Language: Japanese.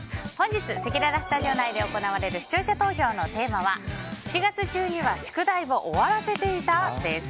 せきららスタジオ内で行われる視聴者投票のテーマは７月中には宿題を終わらせていた？です。